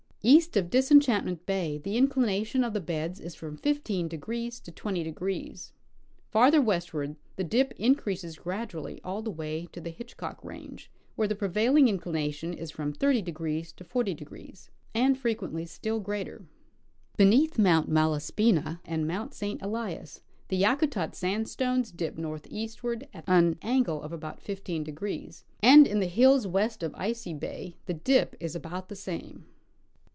East of Disenchantment bay the inclination of the beds is from 15° to 20° ; farther westward the dip increases gradually all the way to the Hitchcock range, where the prevailing inclination is from 30° to 40°, and frequently still greater. Beneath Mount Malas pina and Mount St. Elias the Yakutat sandstones dip northeast ward at an angle of about 15°, and in the hills west of Icy bay the dip is about the same.